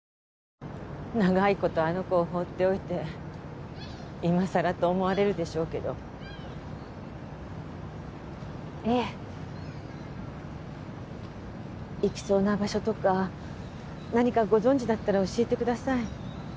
長いことあの子を放っておいていまさらと思われるでしょうけどいえ行きそうな場所とか何かご存じだったら教えてください